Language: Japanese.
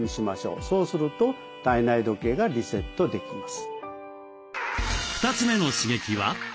そうすると体内時計がリセットできます。